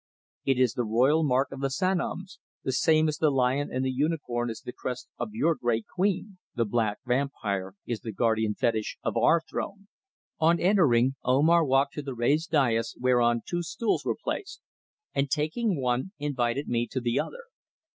"It is the royal mark of the Sanoms, the same as the lion and the unicorn is the crest of your great Queen. The black vampire is the guardian fetish of our throne." On entering, Omar walked to a raised daïs whereon two stools were placed, and taking one invited me to the other.